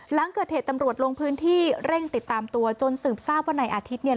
หลังเกิดเหตุตำรวจลงพื้นที่เร่งติดตามตัวจนสืบทราบว่านายอาทิตย์เนี่ย